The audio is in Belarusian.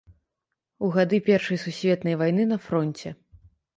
У гады першай сусветнай вайны на фронце.